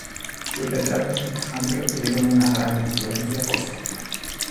Sus retratos de Alejandro tuvieron una gran influencia posterior.